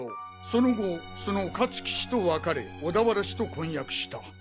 その後その香月氏と別れ小田原氏と婚約した。